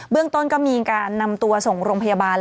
เรื่องต้นก็มีการนำตัวส่งโรงพยาบาล